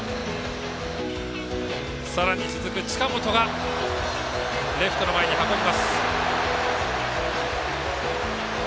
さらに続く近本がレフトの前に運びます。